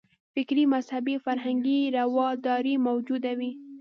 فکري، مذهبي او فرهنګي رواداري موجوده وي.